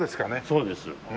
そうです。